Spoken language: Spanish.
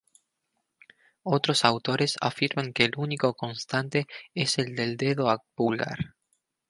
Otros autores afirman que el único constante es el del dedo pulgar.